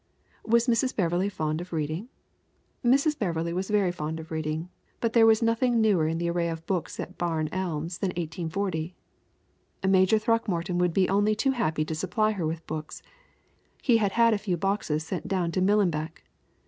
Was Mrs. Beverley fond of reading? Mrs. Beverley was very fond of reading, but there was nothing newer in the array of books at Barn Elms than 1840. Major Throckmorton would be only too happy to supply her with books. He had had a few boxes full sent down to Millenbeck.